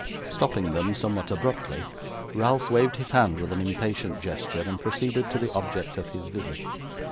Stopping them somewhat abruptly, Ralph waved his hand with an impatient gesture, and proceeded to the object of his visit.